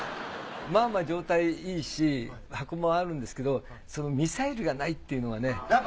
まあまあ状態いいし箱もあるんですけどミサイルがないっていうのがね